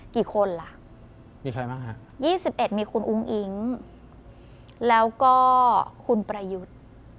กี่คนล่ะ๒๑มีคุณอุ้งอิ๊งแล้วก็คุณประยุทธิ์